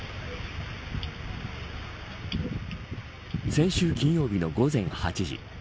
先週金曜日の午前８時。